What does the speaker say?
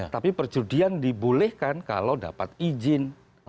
tapi perjudian dibolehkan kalau dapat izin